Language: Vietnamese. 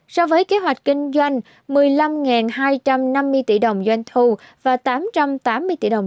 so với kế hoạch kinh doanh một mươi năm hai trăm năm mươi tỷ đồng doanh thu và tám trăm tám mươi tỷ đồng